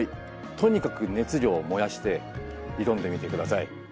とにかく熱量を燃やして挑んでみて下さい。